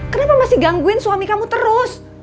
kenapa masih gangguin suami kamu terus